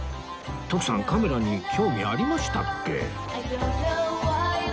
徳さんカメラに興味ありましたっけ？